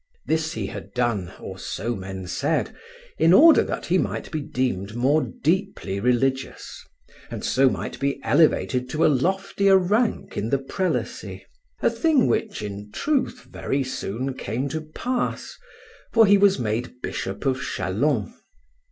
This he had done, or so men said, in order that he might be deemed more deeply religious, and so might be elevated to a loftier rank in the prelacy, a thing which, in truth, very soon came to pass, for he was made bishop of Châlons.